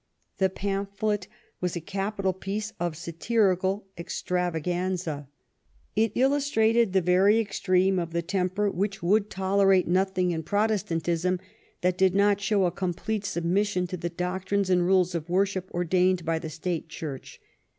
The pamphlet was a capital piece of satirical extrava ganza. It illustrated the very extreme of the temper which would tolerate nothing in Protestantism that did not show a complete submission to the doctrines and rules of worship ordained by the state Church.